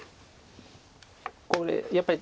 これやっぱり。